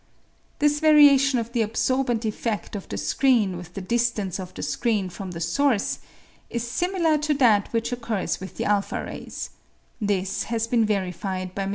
This variation of the absorbent effecft of the screen with the distance of the screen from the source is similar to that which occurs with the a rays ; this has been verified by MM.